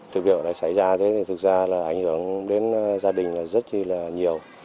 thực điều này xảy ra thì thực ra là ảnh hưởng đến gia đình rất là nhiều